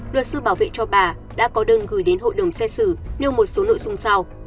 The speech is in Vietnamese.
luật sư bảo vệ cho bà đã có đơn gửi đến hội đồng xét xử nêu một số nội dung sau